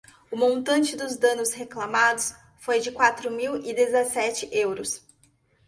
O montante dos danos reclamados foi de quatro mil e dezassete euros.